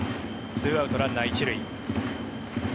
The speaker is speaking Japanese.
２アウト、ランナー１塁。